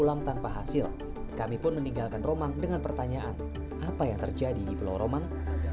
apa hasil kami pun meninggalkan romang dengan pertanyaan apa yang terjadi di pulau romang